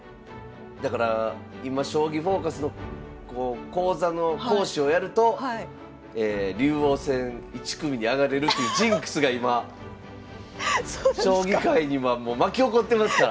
だから今「将棋フォーカス」の講座の講師をやると竜王戦１組に上がれるっていうジンクスが今将棋界に今巻き起こってますから。